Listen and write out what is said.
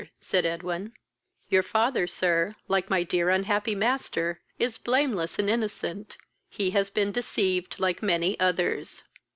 said Edwin. "Your father, sir, like my dear unhappy master, is blameless and innocent: he has been deceived like many others."